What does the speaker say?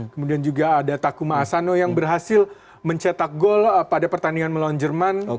kemudian juga ada takuma asano yang berhasil mencetak gol pada pertandingan melawan jerman